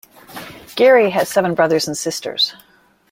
Geary has seven brothers and sisters.